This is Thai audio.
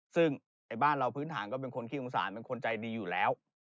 ซึ่งไอ้บ้านเราพื้นฐานก็เป็นคนขี้สงสารเป็นคนใจดีอยู่แล้ว